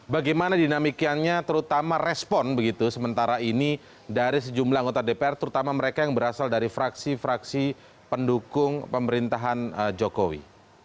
bagaimana dinamikiannya terutama respon begitu sementara ini dari sejumlah anggota dpr terutama mereka yang berasal dari fraksi fraksi pendukung pemerintahan jokowi